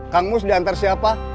kang mus diantar siapa